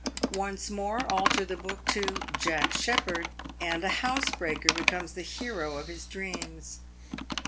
Once more alter the book to "Jack Sheppard," and a housebreaker becomes the hero of his dreams.